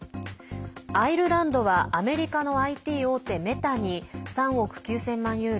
アイルランドはアメリカのＩＴ大手メタに３億９０００万ユーロ